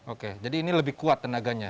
oke jadi ini lebih kuat tenaganya